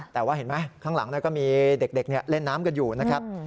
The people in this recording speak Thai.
แต่ว่าเห็นไหมข้างหลังก็มีเด็กเล่นน้ำกันอยู่นะครับ